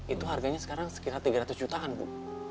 itu harganya sekarang sekitar tiga ratus jutaan bu